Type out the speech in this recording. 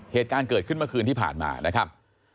เหตุการณ์เกิดขึ้นเมื่อคืนที่ผ่านมานะครับ